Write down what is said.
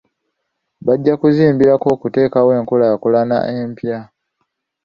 Bajja kubizimbirako okuteekawo enkulaakulana empya.